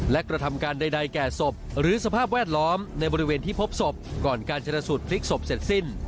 และกระทำการใดแก่ศพหรือสภาพแวดล้อมในบริเวณที่พบศพก่อนการชนะสูตรพลิกศพเสร็จสิ้น